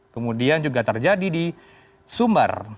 kemudian juga terjadi di sumber